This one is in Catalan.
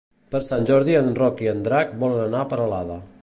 Per Sant Jordi en Roc i en Drac volen anar a Peralada.